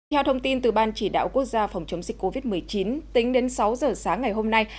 theo thông tin từ ban chỉ đạo quốc gia phòng chống dịch covid một mươi chín tính đến sáu giờ sáng ngày hôm nay